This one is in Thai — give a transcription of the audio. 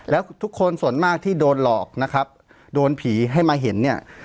แล้วทุกคนส่วนมากที่โดนหลอกนะครับโดนผีให้มาเห็นเนี่ย